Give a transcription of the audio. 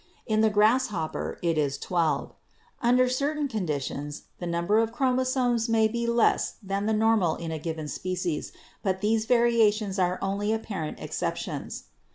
In the grasshopper it is twelve. Under certain conditions the number of chromosomes may be less than the normal in a given species, but these variations are only apparent exceptions.